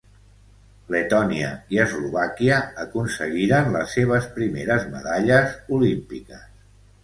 Letònia i Eslovàquia aconseguiren les seves primeres medalles olímpiques.